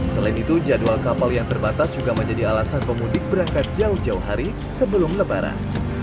selain itu jadwal kapal yang terbatas juga menjadi alasan pemudik berangkat jauh jauh hari sebelum lebaran